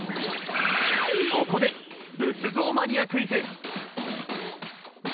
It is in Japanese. ここで「仏像マニアクイズ」！